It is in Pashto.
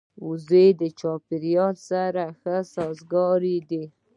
وزې د چاپېریال سره ښه سازګارې دي